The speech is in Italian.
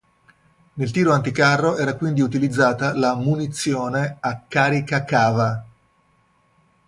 Nel tiro anticarro era quindi utilizzata la munizione a carica cava.